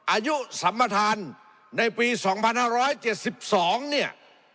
อายุสัมประธานในปี๒๕๗๒เนี่ย